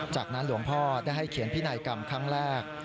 จากนั้นหลวงพ่อได้ให้เขียนพินัยกรรมครั้งแรก